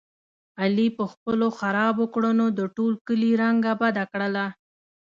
علي په خپلو خرابو کړنو د ټول کلي رنګه بده کړله.